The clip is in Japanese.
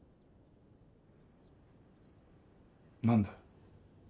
何だよ。